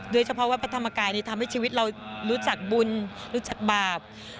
เฉพาะวัดพระธรรมกายทำให้ชีวิตเรารู้จักบุญรู้จักบาป